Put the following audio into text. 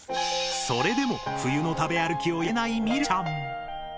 それでも冬の食べ歩きをやめない美瑠ちゃん！